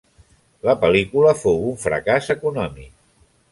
La pel·lícula fou un fracàs econòmic.